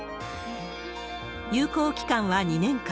有効期間は２年間。